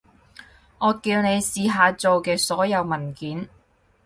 我叫你試下做嘅所有文件